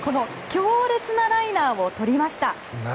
強烈なライナーをとりました。